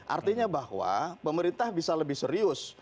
artinya bahwa pemerintah bisa lebih serius